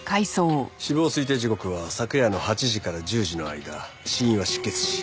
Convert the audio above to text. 死亡推定時刻は昨夜の８時から１０時の間死因は失血死。